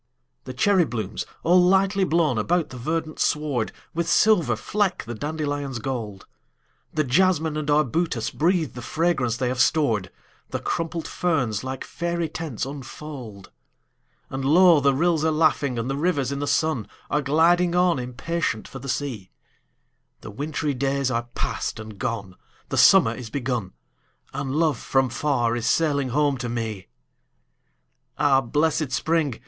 The cherry blooms, all lightly blown about the verdant sward, With silver fleck the dandelion's gold; The jasmine and arbutus breathe the fragrance they have stored; The crumpled ferns, like faery tents, unfold. And low the rills are laughing, and the rivers in the sun Are gliding on, impatient for the sea; The wintry days are past and gone, the summer is begun, And love from far is sailing home to me! Ah, blessed spring!